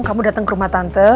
kamu datang ke rumah tante